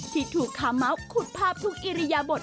ที่ถูกคาเม้าขุดภาพทุกอิริยบท